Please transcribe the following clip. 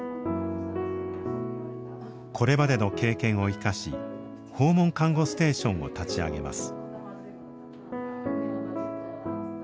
これまでの経験を生かし訪問看護ステーションを立ち上げます。